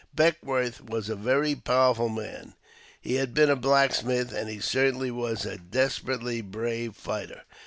Beckwourth was a very powerful man — he had been a blacksmith — and he certainly was a desperately brave fighter.